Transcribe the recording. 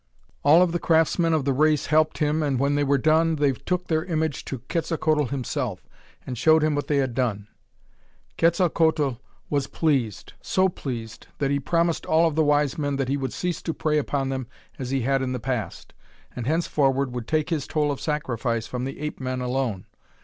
All of the craftsmen of the race helped him and when they were done, they took their image to Quetzalcoatl himself, and showed him what they had done. "Quetzalcoatl was pleased. So pleased, that he promised all of the wise men that he would cease to prey upon them as he had in the past, and henceforward would take his toll of sacrifice from the ape men alone.